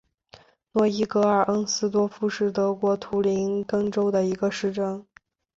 诺伊格尔恩斯多夫是德国图林根州的一个市镇。